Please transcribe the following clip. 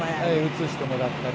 映してもらったり。